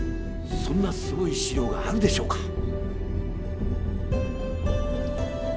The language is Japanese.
そんなすごい資料があるでしょうか。